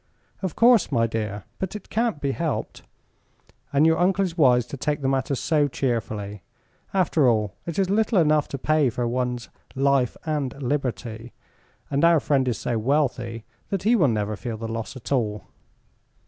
"Of course, my dear. But it can't be helped. And your uncle is wise to take the matter so cheerfully. After all, it is little enough to pay for one's life and liberty, and our friend is so wealthy that he will never feel the loss at all."